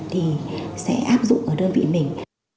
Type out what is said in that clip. thì sẽ áp dụng ở đơn vị mình